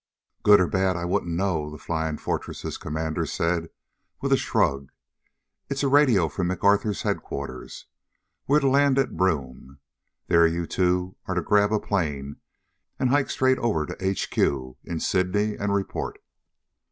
"Good or bad, I wouldn't know," the Flying Fortress' commander said with a shrug. "It's a radio from MacArthur's Headquarters. We're to land at Broome. There you two are to grab a plane and hike straight over to H.Q. in Sydney, and report."